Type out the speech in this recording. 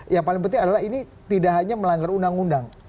yang paling penting adalah ini tidak hanya melanggar undang undang